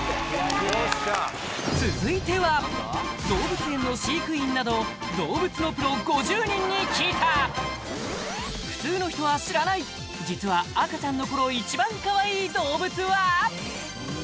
続いては動物園の飼育員など動物のプロ５０人に聞いた普通の人は知らない実は赤ちゃんの頃一番カワイイ動物は？